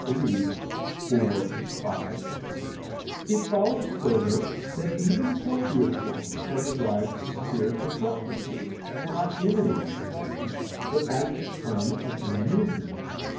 iii, 4, 5), it follows further that even corporeal forms are derived from spiritual substances, not emanating from them, but as the term of their movement.